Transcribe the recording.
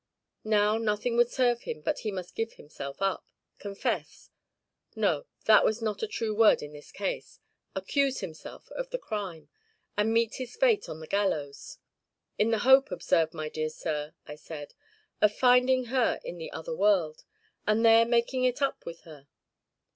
Now nothing would serve him but he must give himself up, confess no, that was not a true word in his case! accuse himself of the crime, and meet his fate on the gallows, 'in the hope, observe, my dear sir,' I said, 'of finding her in the other world, and there making it up with her!